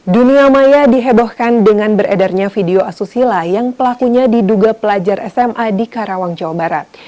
dunia maya dihebohkan dengan beredarnya video asusila yang pelakunya diduga pelajar sma di karawang jawa barat